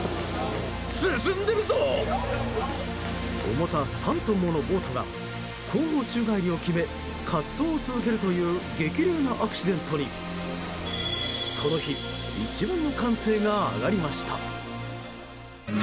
重さ３トンものボートが後方宙返りを決め滑走を続けるという激レアなアクシデントにこの日一番の歓声が上がりました。